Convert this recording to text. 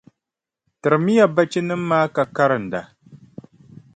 Tirimiya bachinima maa ka karinda.